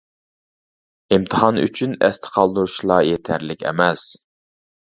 ئىمتىھان ئۈچۈن ئەستە قالدۇرۇشلا يېتەرلىك ئەمەس.